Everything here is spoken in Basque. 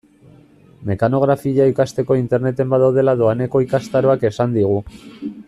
Mekanografia ikasteko Interneten badaudela doaneko ikastaroak esan digu.